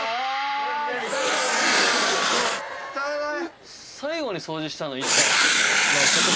・汚い！